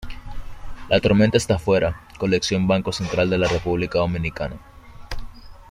La tormenta está fuera, Colección Banco Central de la República Dominicana.